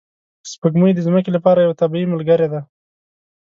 سپوږمۍ د ځمکې لپاره یوه طبیعي ملګرې ده